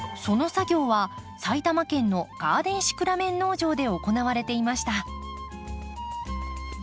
その作業は埼玉県のガーデンシクラメン農場で行われていました。